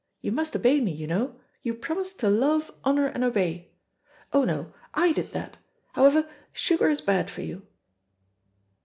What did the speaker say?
You must obey me, you know. You promised to love, honour and obey. Oh, no; I did that. However, sugar is bad for you."